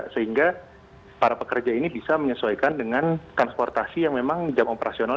sehingga para pekerja ini bisa menyesuaikan dengan transportasi yang memang jam operasional